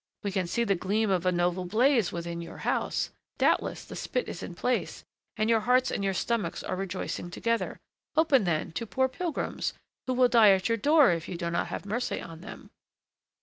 We can see the gleam of a noble blaze within your house; doubtless the spit is in place, and your hearts and your stomachs are rejoicing together. Open, then, to poor pilgrims, who will die at your door if you do not have mercy on them.